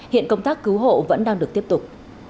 hiện công tác cứu hộ vẫn đang được tiếp tục